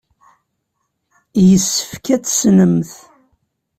Yessefk ad t-tessnemt.